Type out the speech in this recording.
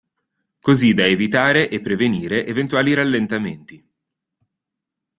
Così da evitare e prevenire eventuali rallentamenti.